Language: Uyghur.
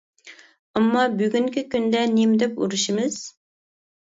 ئەمما بۈگۈنكى كۈندە نېمە دەپ ئۇرۇشىمىز؟ !